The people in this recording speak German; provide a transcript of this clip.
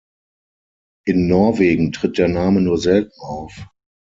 In Norwegen tritt der Name nur selten auf.